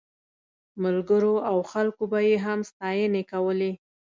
ملګرو او خلکو به یې هم ستاینې کولې.